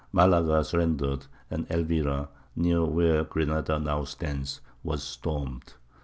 Malaga surrendered, and Elvira (near where Granada now stands) was stormed.